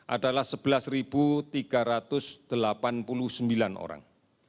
adalah sebelas tiga ratus delapan puluh sembilan orang